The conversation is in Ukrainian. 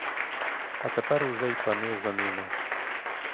А тепер уже й пани за ними.